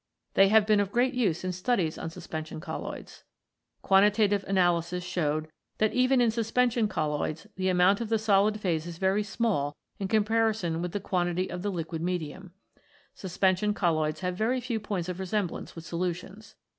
They have been of great use in studies on suspen sion colloids. Quantitative analysis showed that even in suspension colloids the amount of the solid phase is very small in comparison with the quantity of the liquid medium Suspension colloids have very few points of resemblance with solutions.